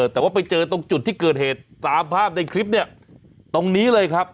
แต่ว่าไปเจอตรงจุดที่เกิดเหตุตามภาพในคลิปเนี่ยตรงนี้เลยครับ